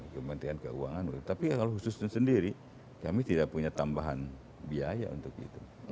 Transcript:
kementerian keuangan tapi kalau khususnya sendiri kami tidak punya tambahan biaya untuk itu